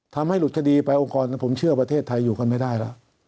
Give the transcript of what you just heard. ทำให้หลุดคดีไปองค์กรผมเชื่อประเทศไทยอยู่กันไม่ได้แล้ว